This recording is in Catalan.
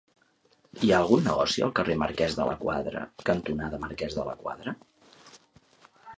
Hi ha algun negoci al carrer Marquès de la Quadra cantonada Marquès de la Quadra?